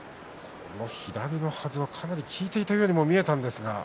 左のはずはかなり効いていたように見えたんですが。